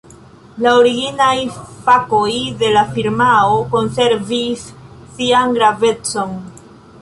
La originaj fakoj de la firmao konservis sian gravecon.